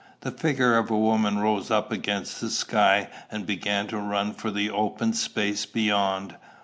The figure of a woman rose up against the sky, and began to run for the open space beyond.